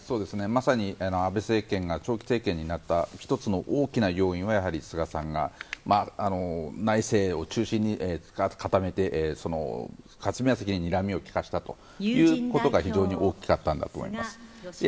まさに安倍政権が長期政権になった１つの大きな要因は、菅さんが内政を中心に固めて、霞が関ににらみを利かせたということが非常に大きかったんだと思います。